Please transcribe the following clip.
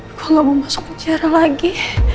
aku gak mau masuk penjara lagi